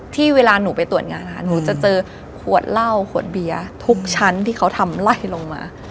ที่เวลาหนูไปตรวจงานหนูจะเจอขวดเหล้าขวดเบียร์ทุกชั้นที่เขาทำไล่ลงมา